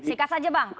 sikat saja bang